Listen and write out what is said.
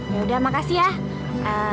yaudah makasih ya